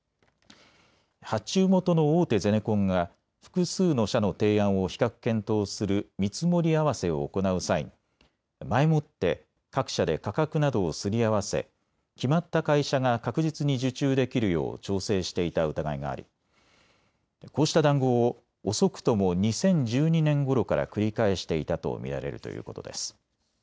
発注元の大手ゼネコンが複数の社の提案を比較検討する見積もり合わせを行う際に前もって各社で価格などをすり合わせ決まった会社が確実に受注できるよう調整していた疑いがありこうした談合を遅くとも２０１２年ごろから繰り返していたと見られるということです。